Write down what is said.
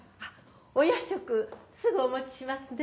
お夜食すぐお持ちしますね。